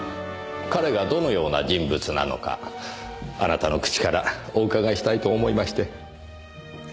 彼がどのような人物なのかあなたの口からお伺いしたいと思いまして。